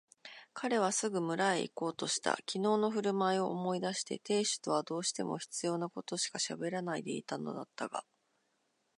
彼はすぐ村へいこうとした。きのうのふるまいを思い出して亭主とはどうしても必要なことしかしゃべらないでいたのだったが、